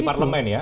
di parlemen ya